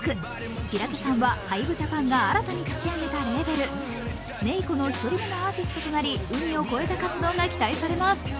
平手さんはＨＹＢＥＪＡＰＡＮが新たに立ち上げたレーベル、ＮＡＥＣＯの１人目のアーティストとなり、海を越えた活動が期待されます。